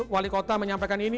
wali kota menyampaikan ini